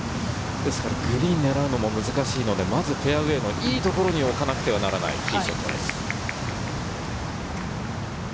グリーンを狙うのも難しいので、まずフェアウエーのいい所に置かなくてはならないティーショットです。